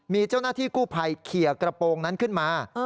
มีเจ้าหน้าที่กู้ภัยเขียกระโปรงนั้นขึ้นมา